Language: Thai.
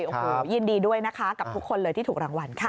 โอ้โหยินดีด้วยนะคะกับทุกคนเลยที่ถูกรางวัลค่ะ